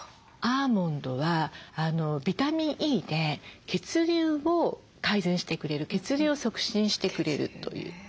アーモンドはビタミンＥで血流を改善してくれる血流を促進してくれるという。